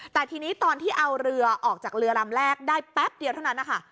แต่ทีนี้ตอนที่เอาเรือออกจากเรือลำแรกได้แป๊บเดียวเท่านั้นนะคะ